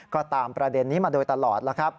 ก็ตามประเด็นนี้มาโดยตลอด